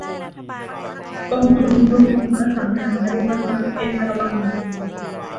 กองทุนรวมอสังหาริมทรัพย์เอราวัณ